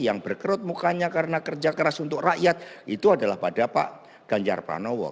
yang berkerut mukanya karena kerja keras untuk rakyat itu adalah pada pak ganjar pranowo